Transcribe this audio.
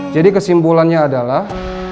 jadi kesimpulannya adalah